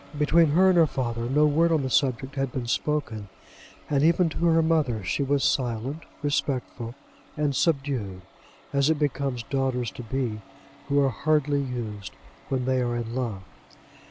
Between her and her father no word on the subject had been spoken, and even to her mother she was silent, respectful, and subdued, as it becomes daughters to be who are hardly used when they are in love.